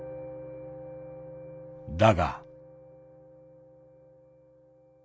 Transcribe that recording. だが。